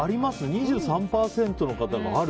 ２３％の方がある。